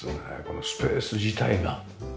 このスペース自体が。